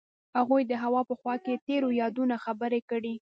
هغوی د هوا په خوا کې تیرو یادونو خبرې کړې.